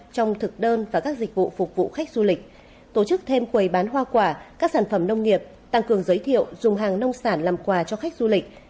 trong thực đơn và các dịch vụ phục vụ khách du lịch tổ chức thêm quầy bán hoa quả các sản phẩm nông nghiệp tăng cường giới thiệu dùng hàng nông sản làm quà cho khách du lịch